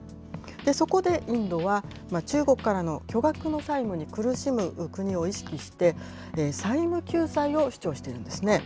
そこでインドは、中国からの巨額の債務に苦しむ国を意識して、債務救済を主張しているんですね。